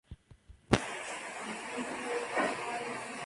Crece en terrenos de cultivo abandonados, de riego o temporal.